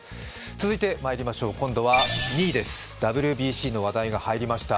続いて今度は２位です、ＷＢＣの話題が入りました。